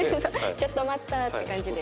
ちょっと待った！って感じで。